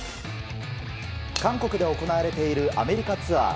韓国で行われているアメリカツアー。